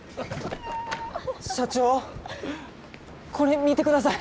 社長これ見てください。